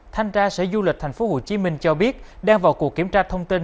thanh tra sở du lịch tp hcm cho biết đang vào cuộc kiểm tra thông tin